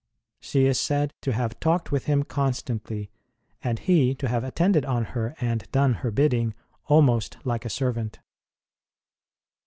She is said to have talked with him constantly, 152 ST. ROSE OF LIMA and he to have attended on her and done her bidding almost like a servant.